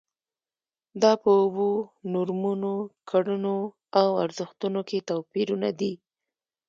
دا په اوبو، نورمونو، کړنو او ارزښتونو کې توپیرونه دي.